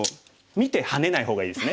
見てハネない方がいいですね。